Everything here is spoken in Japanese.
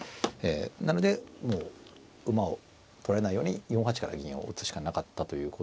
なので馬を取られないように４八から銀を打つしかなかったということですが